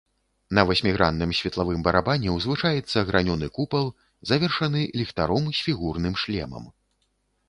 На васьмігранным светлавым барабане ўзвышаецца гранёны купал, завершаны ліхтаром з фігурным шлемам.